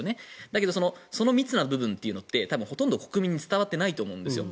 だけど、その密な部分はほとんど国民に伝わっていないと思うんですよ。